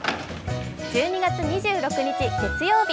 １２月２６日月曜日。